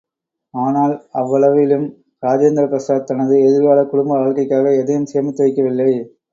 ஆனால், அவ்வளவிலும், ராஜேந்திர பிரசாத் தனது எதிர்க்கால குடும்ப வாழ்க்கைக்காக எதையும் சேமித்து வைக்கவில்லை.